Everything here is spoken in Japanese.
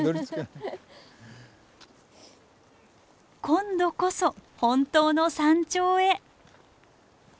今度こそ本当の山頂へ。